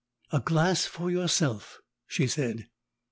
"A glass for yourself," she said.